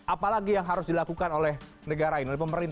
apalagi yang harus dilakukan oleh negara ini